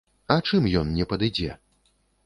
А чым ён не падыдзе?